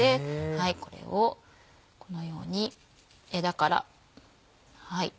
これをこのように枝から。